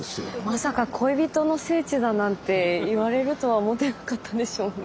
まさか恋人の聖地だなんて言われるとは思ってなかったでしょうね。